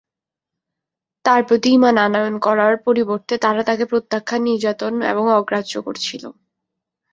তাঁর প্রতি ঈমান আনয়ন করার পরিবর্তে তারা তাকে প্রত্যাখ্যান, নির্যাতন এবং অগ্রাহ্য করছিল।